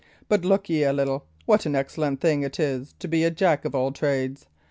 But look ye a little, what an excellent thing it is to be a Jack of all trades!